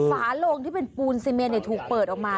ฝาโลงที่เป็นปูนซีเมนถูกเปิดออกมา